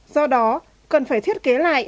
do đó cần phải thiết kế lại